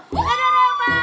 yaudah deh reba